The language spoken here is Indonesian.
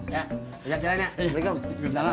ya ajak jalan ya waalaikumsalam